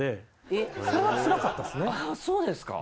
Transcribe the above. えっそうですか。